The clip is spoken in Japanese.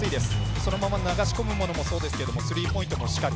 そのまま流し込むものもそうですけどスリーポイントもしかり。